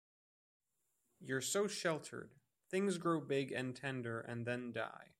You’re so sheltered; things grow big and tender, and then die.